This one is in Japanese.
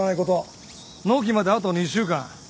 納期まであと２週間。